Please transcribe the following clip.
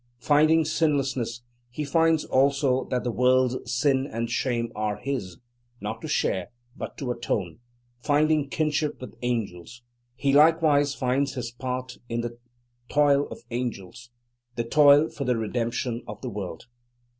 Finding sinlessness, he finds also that the world's sin and shame are his, not to share, but to atone; finding kinship with angels, he likewise finds his part in the toil of angels, the toil for the redemption of the world.